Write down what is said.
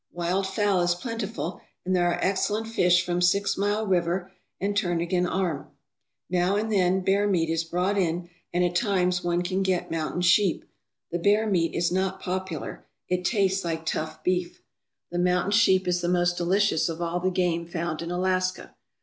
Wild fowl is plentiful and there are excellent fish from Six Mile River and Turn again Arm. Now and then bear meat is brought in, and at times one can get mountain sheep. The bear meat is not popular. It tastes like tough beef. The mountain sheep is the most delicious of all the game found in Alaska.